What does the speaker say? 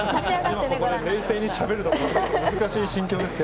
冷静にしゃべるのが難しい心境ですが。